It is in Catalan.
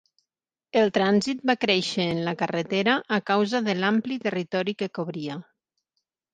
El trànsit va créixer en la carretera a causa de l'ampli territori que cobria.